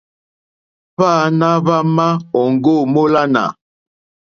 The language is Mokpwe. Hwáāná hwá má òŋɡô mólánà.